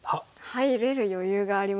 入れる余裕がありますね。